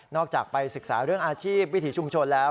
จากไปศึกษาเรื่องอาชีพวิถีชุมชนแล้ว